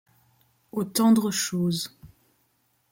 Aux tendres choses